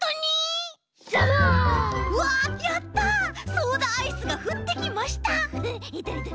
ソーダアイスがふってきました！